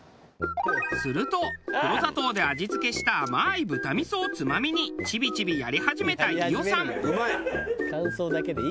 すると黒砂糖で味付けした甘いぶたみそをつまみにチビチビやり始めた飯尾さん。